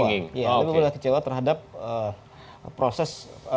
lebih mudah kecewa terhadap proses